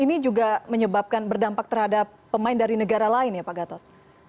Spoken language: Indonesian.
ini juga menyebabkan berdampak terhadap pemain dari negara lain ya pak gatot